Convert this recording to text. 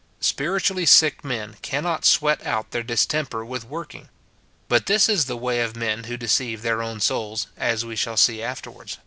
Spirit ually sick men cannot sweat out their distemper with working. But this is the way of men who deceive their own souls ; as we shall see afterward.